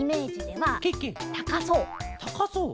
たかそう？